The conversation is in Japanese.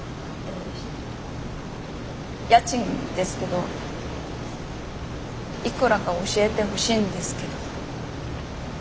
家賃ですけどいくらか教えてほしいんですけど。